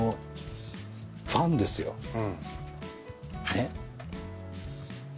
ねっ？